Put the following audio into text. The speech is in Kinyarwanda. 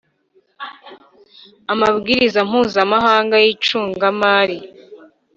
amabwiriza mpuzamahanga y’ icungamari